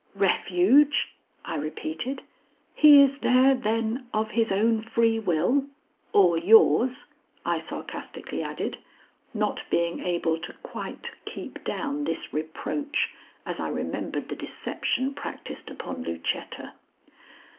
"Refuge?" I repeated. "He is there, then, of his own free will or yours?" I sarcastically added, not being able to quite keep down this reproach as I remembered the deception practised upon Lucetta.